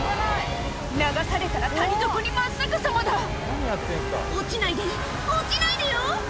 流されたら谷底に真っ逆さまだ落ちないで落ちないでよ